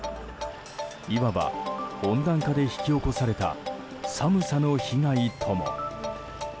いわば、温暖化で引き起こされた寒さの被害とも。